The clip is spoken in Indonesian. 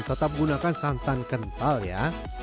tetap gunakan santan kental ya